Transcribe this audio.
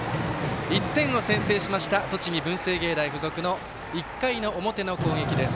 １点を先制しました栃木、文星芸大付属の１回の表の攻撃です。